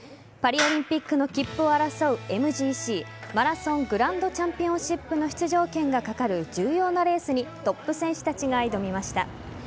パリオリンピックの切符を争うＭＧＣ＝マラソングランドチャンピオンシップの出場権がかかる重要なレースにトップ選手たちが挑みました。